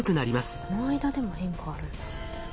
この間でも変化あるんだ。